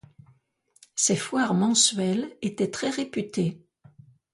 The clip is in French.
Ses foires mensuelles étaient très réputées.